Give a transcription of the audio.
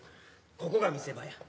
ここが見せ場や。